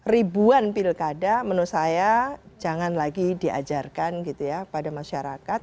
ribuan pilkada menurut saya jangan lagi diajarkan gitu ya pada masyarakat